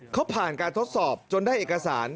เขาผ่านการทดสอบจนได้เอกสาร